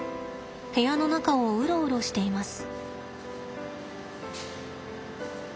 部屋の中をウロウロしています。